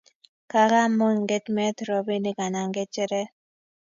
kakaa moinget meet robinik anan ng'echeret